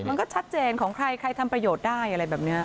มันก็ชัดเจนของใครใครทำประโยชน์ได้อะไรแบบนี้